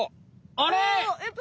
あれ？